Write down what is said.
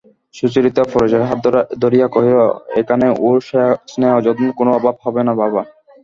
সুচরিতা পরেশের হাত ধরিয়া কহিল, এখানে ওর স্নেহযত্নের কোনো অভাব হবে না বাবা!